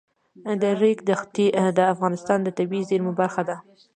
د ریګ دښتې د افغانستان د طبیعي زیرمو برخه ده.